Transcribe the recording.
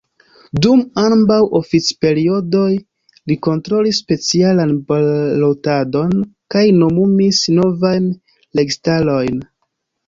Dum ambaŭ oficperiodoj li kontrolis specialan balotadon kaj nomumis novajn registarojn.